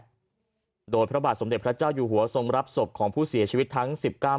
ด้วยโดยพระบาทสมเด็จพระเจ้าอยู่หัวทรงรับศพของผู้เสียชีวิตทั้งสิบเก้า